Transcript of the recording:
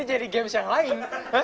ini jadi games yang lain